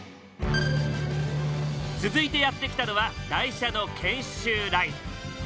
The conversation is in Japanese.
続いてやって来たのは台車の検修ライン。